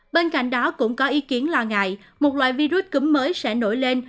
bên cạnh đó cũng có ý kiến lo ngại một loại virus cúm mới sẽ nổi lên